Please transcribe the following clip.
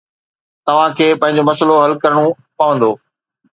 توهان کي پنهنجو مسئلو حل ڪرڻو پوندو